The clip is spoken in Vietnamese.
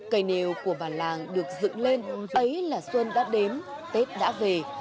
cây nêu của bà làng được dựng lên ấy là sơn đã đếm tết đã về